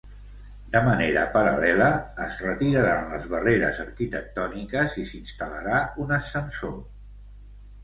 De manera paral·lela, es retiraran les barreres arquitectòniques i s’instal·larà un ascensor.